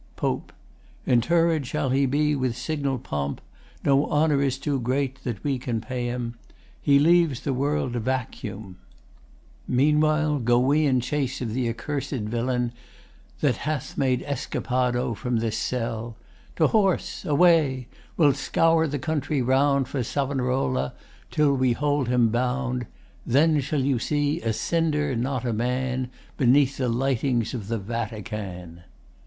POPE Interred shall he be with signal pomp. No honour is too great that we can pay him. He leaves the world a vacuum. Meanwhile, Go we in chase of the accursed villain That hath made escapado from this cell. To horse! Away! We'll scour the country round For Sav'narola till we hold him bound. Then shall you see a cinder, not a man, Beneath the lightnings of the Vatican!